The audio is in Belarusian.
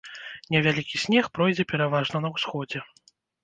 Невялікі снег пройдзе пераважна на ўсходзе.